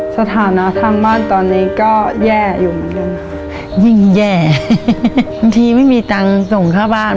สถานะทางบ้านตอนนี้ก็แย่อยู่เหมือนเดิมค่ะยิ่งแย่บางทีไม่มีตังค์ส่งค่าบ้าน